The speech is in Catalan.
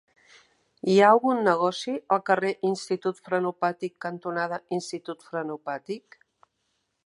Hi ha algun negoci al carrer Institut Frenopàtic cantonada Institut Frenopàtic?